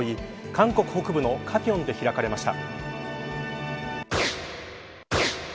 韓国北部の加平で開かれました。